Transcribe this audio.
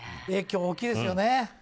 影響、大きいですよね。